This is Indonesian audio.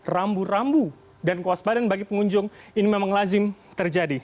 rambu rambu dan kuas badan bagi pengunjung ini memang lazim terjadi